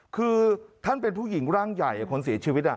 คือท่านเป็นผู้หญิงร่างใหญ่คนเสียชีวิต